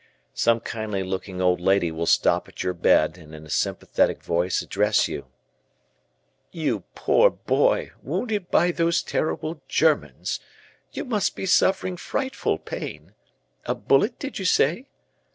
Some kindly looking old lady will stop at your bed and in a sympathetic voice address you; "You poor boy, wounded by those terrible Germans. You must be suffering frightful pain. A bullet did you say?